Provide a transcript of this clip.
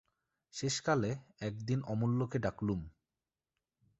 শেষকালে একদিন অমূল্যকে ডাকলুম।